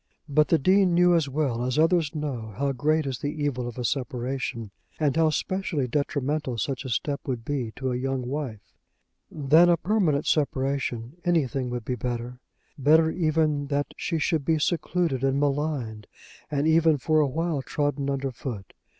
But the Dean knew as well as others know how great is the evil of a separation, and how specially detrimental such a step would be to a young wife. Than a permanent separation anything would be better; better even that she should be secluded and maligned, and even, for a while, trodden under foot.